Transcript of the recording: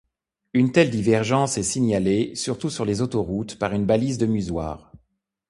Une telle divergence est signalée, surtout sur les autoroutes, par une balise de musoir.